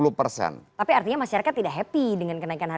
tapi artinya masyarakat tidak happy dengan kenaikan harga